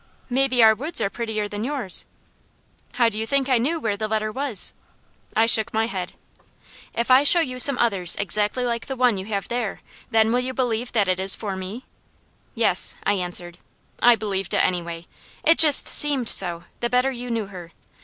"Maybe our woods are prettier than yours." "How do you think I knew where the letter was?" I shook my head. "If I show you some others exactly like the one you have there, then will you believe that is for me?" "Yes," I answered. I believed it anyway. It just SEEMED so, the better you knew her.